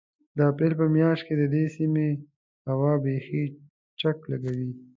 د اپرېل په مياشت کې د دې سيمې هوا بيخي چک لګوي.